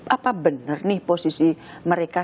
apa benar nih posisi mereka